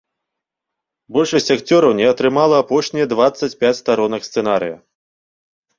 Большасць акцёраў не атрымала апошнія дваццаць пяць старонак сцэнарыя.